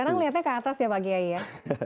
kadang liatnya ke atas ya pak giyai ya